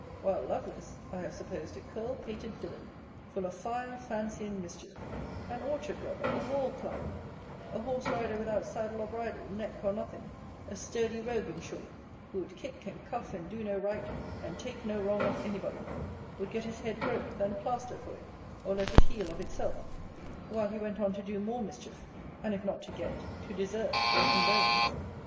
While Lovelace I have supposed a curl pated villain, full of fire, fancy, and mischief; an orchard robber, a wall climber, a horse rider without saddle or bridle, neck or nothing: a sturdy rogue, in short, who would kick and cuff, and do no right, and take no wrong of any body; would get his head broke, then a plaster for it, or let it heal of itself; while he went on to do more mischief, and if not to get, to deserve, broken bones.